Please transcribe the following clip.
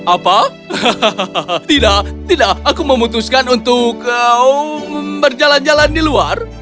apa hahaha tidak tidak aku memutuskan untuk berjalan jalan di luar